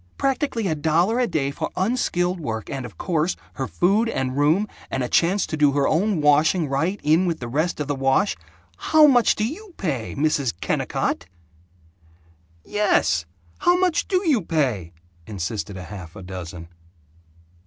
practically a dollar a day for unskilled work and, of course, her food and room and a chance to do her own washing right in with the rest of the wash. HOW MUCH DO YOU PAY, Mrs. KENNICOTT?" "Yes! How much do you pay?" insisted half a dozen.